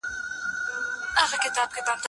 دا د رب العالمين لخوا عظيم احسان دی.